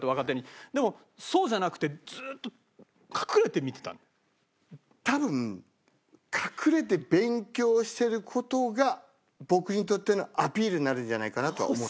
でもそうじゃなくて多分隠れて勉強してる事が僕にとってのアピールになるんじゃないかなとは思ってた。